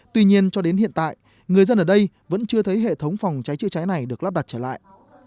tuy nhiên cho đến hiện tại người dân ở đây vẫn chưa thấy hệ thống phòng cháy chữa cháy này được lắp đặt trở lại